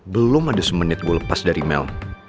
belum ada semenit gue lepas dari mel